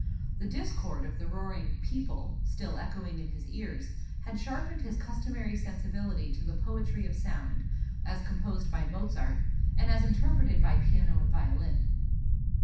The discord of the roaring "people" (still echoing in his ears) had sharpened his customary sensibility to the poetry of sound, as composed by Mozart, and as interpreted by piano and violin.